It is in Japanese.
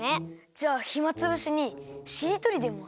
じゃあひまつぶしにしりとりでもする？